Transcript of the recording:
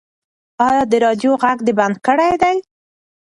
ایا د راډیو غږ دې بند کړی دی؟